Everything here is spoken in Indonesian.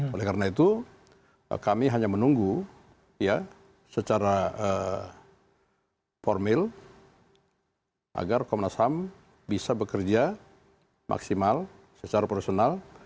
oleh karena itu kami hanya menunggu secara formil agar komnas ham bisa bekerja maksimal secara profesional